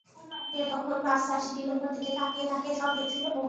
এ তখন বাচ্চা, সিঁড়ির উপর থেকে তাকিয়ে তাকিয়ে সব দেখেছিল ও।